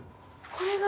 これが。